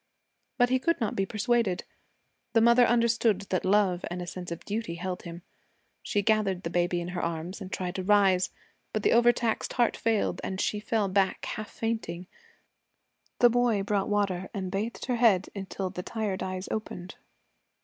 But he could not be persuaded. The mother understood that love and a sense of duty held him. She gathered the baby in her arms and tried to rise, but the overtaxed heart failed and she fell back half fainting. The boy brought water and bathed her head until the tired eyes opened.